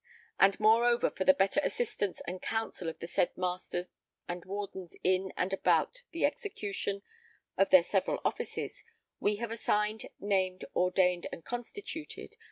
And moreover for the better assistance and counsel of the said Master and Wardens in and about the execution of their several offices, we have assigned named ordained and constituted